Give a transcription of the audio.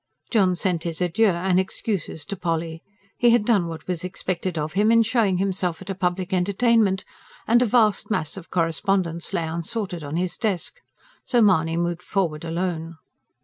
John sent his adieux and excuses to Polly. He had done what was expected of him, in showing himself at a public entertainment, and a vast mass of correspondence lay unsorted on his desk. So Mahony moved forward alone.